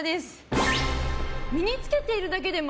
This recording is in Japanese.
身に着けているだけで○○！